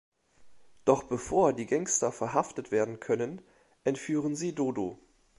Doch bevor die Gangster verhaftet werden können, entführen sie Dodo.